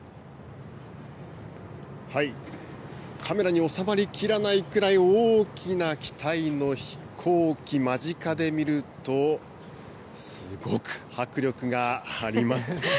カメラに収まりきらないくらい大きな機体の飛行機、間近で見ると、すごく迫力があります。